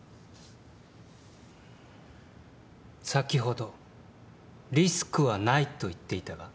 先ほどリスクはないと言っていたが？